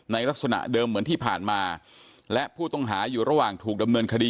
ลักษณะเดิมเหมือนที่ผ่านมาและผู้ต้องหาอยู่ระหว่างถูกดำเนินคดี